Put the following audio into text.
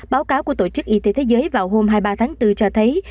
báo cáo của tổ chức y tế thế giới vào hôm hai mươi ba tháng bốn cho thấy